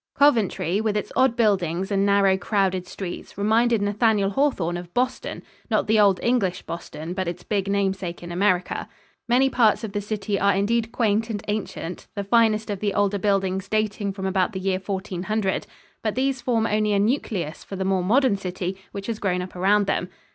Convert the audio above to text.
Coventry, with its odd buildings and narrow, crowded streets, reminded Nathaniel Hawthorne of Boston not the old English Boston, but its big namesake in America. Many parts of the city are indeed quaint and ancient, the finest of the older buildings dating from about the year 1400; but these form only a nucleus for the more modern city which has grown up around them.